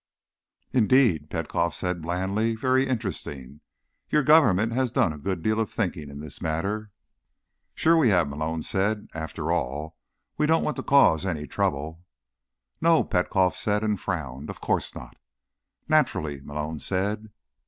"Indeed," Petkoff said blandly. "Very interesting. Your government has done a good deal of thinking in this matter." "Sure we have," Malone said. "After all, we don't want to cause any trouble." "No," Petkoff said, and frowned. "Of course not." "Naturally," Malone said.